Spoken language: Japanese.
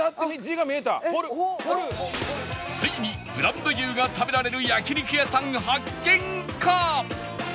ついにブランド牛が食べられる焼肉屋さん発見か！？